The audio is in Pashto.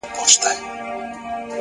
د دوى په نيت ورسره نه اوسيږو _